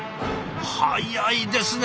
早いですね。